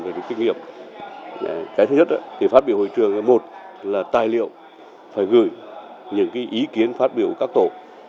cái thứ nhất thì phát biểu hồi trường là một là tài liệu phải gửi những ý kiến phát biểu các tổ